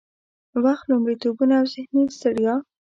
وخت، لومړيتوبونه او ذهني ستړيا